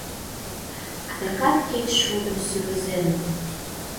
Адакат кечшудым сӱвызеныт!